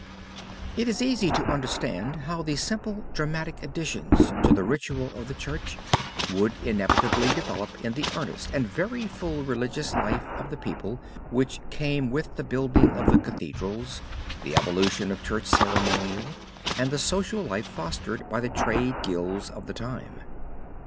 It is easy to understand how the simpler dramatic additions to the ritual of the Church would inevitably develop in the earnest and very full religious life of the people which came with the building of the cathedrals, the evolution of Church ceremonial and the social life fostered by the trade guilds of the time.